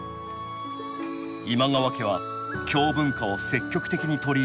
今川家は京文化を積極的に取り入れ